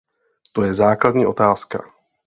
To je základní otázka.